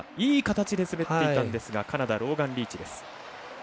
いい形で滑っていたんですがカナダ、ローガン・リーチです。